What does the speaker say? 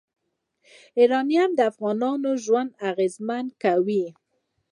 یورانیم د افغانانو ژوند اغېزمن کوي.